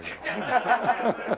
ハハハハッ。